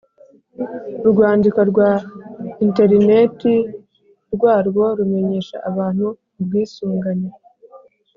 urwandiko rwa interineti rwarwo rumenyesha abantu ubwisungane